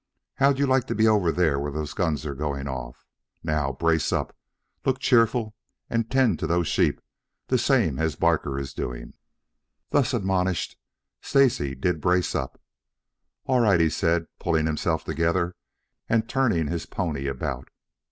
How'd you like to be over there where those guns are going off? Now, brace up. Look cheerful and tend to those sheep the same as Barker is doing." Thus admonished, Stacy did brace up. "All right," he said, pulling himself together and turning his pony about.